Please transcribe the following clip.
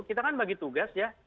kita kan bagi tugas ya